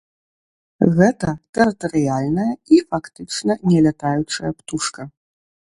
Гэта тэрытарыяльная і фактычна не лятаючая птушка.